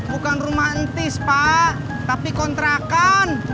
bukan rumah entis pak tapi kontrakan